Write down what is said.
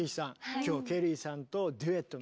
今日ケリーさんとデュエットなさると。